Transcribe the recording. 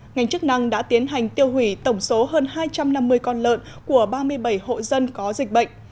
ngành chức năng đã tiến hành tiêu hủy tổng số hơn hai trăm năm mươi con lợn của ba mươi bảy hộ dân có dịch bệnh